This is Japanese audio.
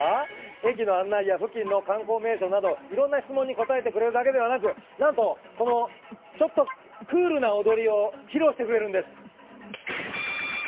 駅の案内や付近の観光名所などいろんな質問に答えてくれるだけではなく何とこのちょっとクールな踊りを披露してくれるんです。